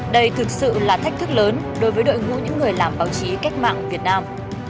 đây thực sự là thách thức lớn đối với đội ngũ những người làm báo chí cách mạng việt nam